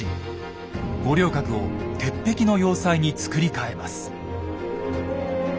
五稜郭を鉄壁の要塞に造り替えます。